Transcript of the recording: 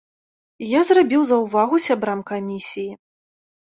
Я зрабіў заўвагу сябрам камісіі.